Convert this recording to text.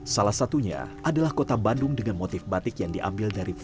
salah satunya adalah kota bandung dengan motif batik yang diambil dari pulau